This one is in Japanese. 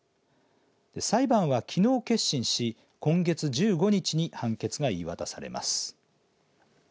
裁判は、きのう結審し今月１５日に判決が言い渡されます。